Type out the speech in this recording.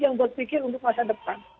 yang buat pikir untuk masa depan